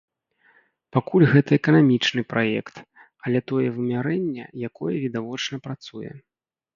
Пакуль гэта эканамічны праект, але тое вымярэнне, якое відавочна працуе.